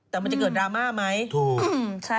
แต่มันจะเกิดดราม่าไหมถูกใช่